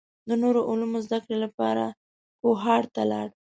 د نورو علومو زده کړې لپاره کوهاټ ته لاړ.